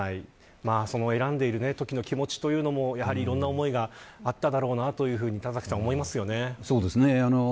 その選んでいるときの気持ちというのもやはり、いろんな思いがあっただろうなというふうにそうですね。